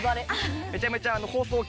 めちゃめちゃ。